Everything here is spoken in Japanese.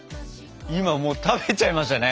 今もう食べちゃいましたね。